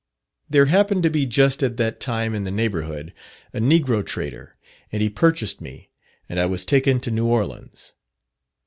There happened to be just at that time in the neighbourhood a negro trader, and he purchased me, and I was taken to New Orleans.